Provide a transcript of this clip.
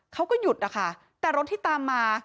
เขาก็หยุดนะคะแต่รถที่ตามมา